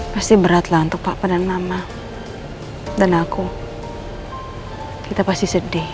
pasti beratlah untuk papa dan mama dan aku kita pasti sedih